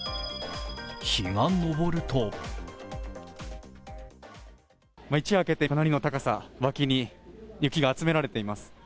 日が昇ると一夜明けて、かなりの高さ、脇に雪が集められています。